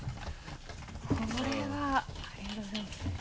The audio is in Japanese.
これはありがとうございます。